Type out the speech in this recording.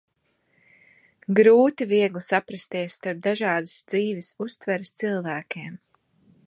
Grūti, viegli saprasties, starp dažādas dzīves uztveres cilvēkiem.